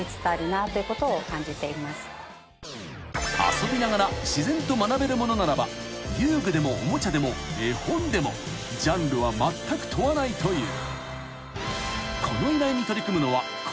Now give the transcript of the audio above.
［遊びながら自然と学べるものならば遊具でもおもちゃでも絵本でもジャンルはまったく問わないという］